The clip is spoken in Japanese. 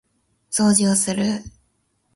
掃除をする